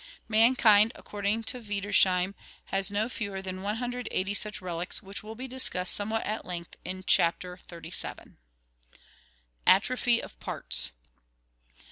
Mankind, according to Wiedersheim, has no fewer than 180 such relics, which will be discussed somewhat at length in Chapter XXXVII. Atrophy of Parts.